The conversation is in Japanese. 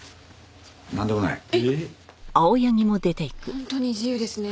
本当に自由ですね。